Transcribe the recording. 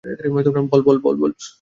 বল, বল।